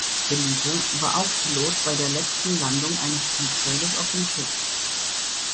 Felipe war auch Pilot bei der letzten Landung eines Flugzeuges auf dem Schiff.